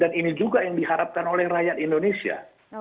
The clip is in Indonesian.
dan ini juga yang diharapkan oleh rakyat indonesia